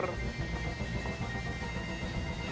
eh tolong cukur